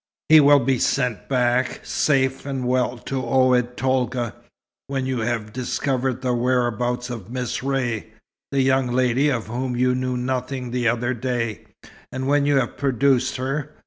He will be sent back safe and well to Oued Tolga, when you have discovered the whereabouts of Miss Ray the young lady of whom you knew nothing the other day and when you have produced her.